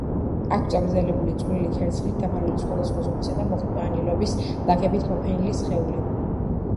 აქვთ წაგრძელებული, წვრილი ქერცლით დაფარული, სხვადასხვა ზომისა და მოყვანილობის ლაქებით მოფენილი სხეული.